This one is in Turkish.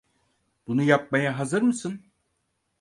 Bunu yapmaya hazır mısın?